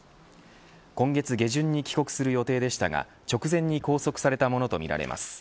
今月下旬に帰国する予定でしたが直前に拘束されたものとみられます。